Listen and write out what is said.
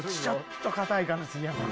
ちょっと堅いかな杉山。